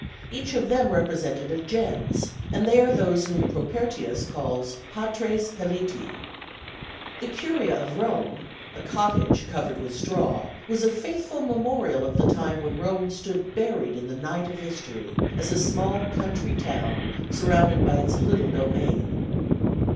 Each of them represented a gens; and they are those whom Propertius calls patres pelliti. The curia of Rome, a cottage covered with straw, was a faithful memorial of the times when Rome stood buried in the night of history, as a small country town surrounded by its little domain.